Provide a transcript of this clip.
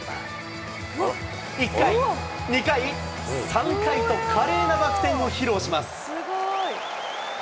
１回、２回、３回と、華麗なバク転を披露します。